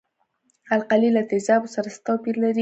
القلي له تیزابو سره څه توپیر لري.